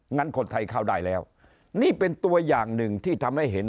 งั้นคนไทยเข้าได้แล้วนี่เป็นตัวอย่างหนึ่งที่ทำให้เห็น